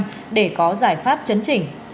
cục hoàng không việt nam đã có giải pháp chấn chỉnh